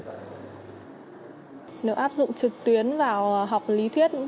nếu áp dụng trực tuyến vào học lý thuyết